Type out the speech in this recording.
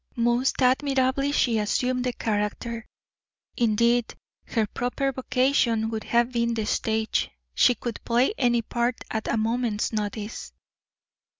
Most admirably she assumed the character; indeed, her proper vocation would have been the stage she could play any part at a moment's notice.